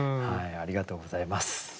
ありがとうございます。